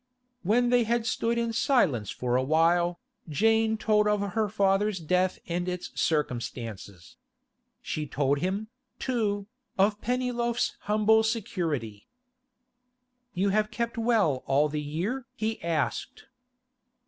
When they had stood in silence for a while, Jane told of her father's death and its circumstances. She told him, too, of Pennyloaf's humble security. 'You have kept well all the year?' he asked.